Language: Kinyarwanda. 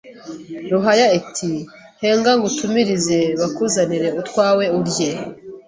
Ruhaya iti henga ngutumirize bakuzanire utwawe urye